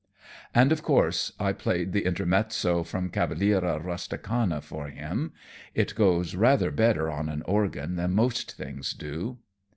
And of course I played the intermezzo from 'Cavalleria Rusticana' for him; it goes rather better on an organ than most things do.